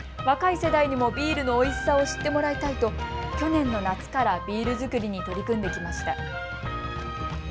若い世代にもビールのおいしさを知ってもらいたいと去年の夏からビール造りに取り組んできました。